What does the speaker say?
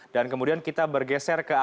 dan kemudian kita bergeser ke akbar